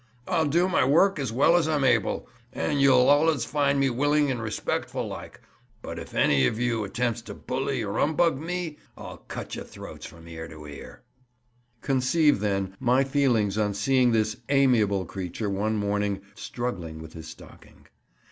"I'll do my work as well as I'm able, and you'll allus find me willing and respec'ful like; but if any of you attempts to bully or 'umbug me I'll cut your throats from ear to ear." Conceive, then, my feelings on seeing this amiable creature one morning struggling with his stocking.